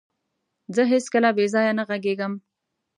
زه هيڅکله بيځايه نه غږيږم.